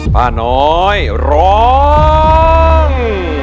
ป้าน้อยร้อง